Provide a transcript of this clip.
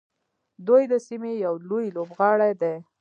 دوی د سیمې یو لوی لوبغاړی دی.